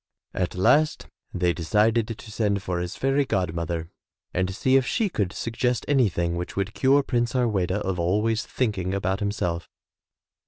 At last they decided to send for his fairy god mother and see if she could suggest anything which would cure Prince Har weda of always thinking about himself.